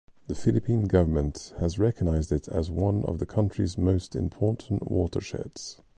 The Philippine government has recognized it as one of the country's most important watersheds.